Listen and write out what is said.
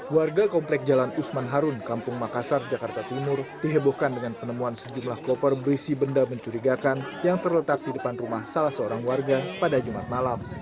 warga komplek jalan usman harun kampung makassar jakarta timur dihebohkan dengan penemuan sejumlah koper berisi benda mencurigakan yang terletak di depan rumah salah seorang warga pada jumat malam